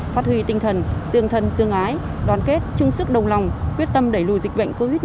phát huy tinh thần tương thân tương ái đoàn kết chung sức đồng lòng quyết tâm đẩy lùi dịch bệnh covid một mươi chín